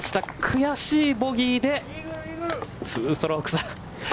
悔しいボギーで２ストローク差。